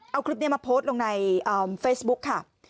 เอาคลิปนี้มาโพสต์ลงในเฟซบุ๊คค่ะ